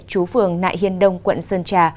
chú phường nại hiên đông quận sơn trà